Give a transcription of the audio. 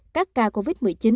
các ca covid một mươi chín